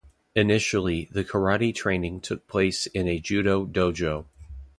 Initially, the karate training took place in a judo "dojo".